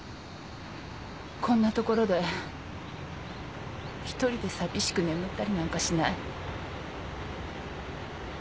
こんなところで１人で寂しく眠ったりなんかしない。